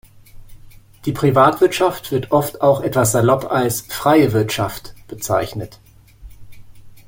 Die Privatwirtschaft wird oft auch etwas salopp als „freie Wirtschaft“ bezeichnet.